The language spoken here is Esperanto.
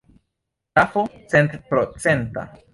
Trafo centprocenta.